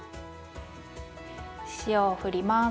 塩をふります。